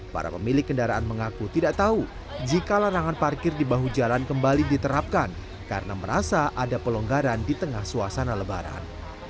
para pemilik kendaraan mengaku tidak tahu jika larangan parkir di bahu jalan kembali diterapkan karena merasa ada pelonggaran di tengah suasana lebaran